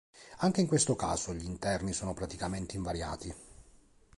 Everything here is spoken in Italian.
Anche in questo caso gli interni sono praticamente invariati.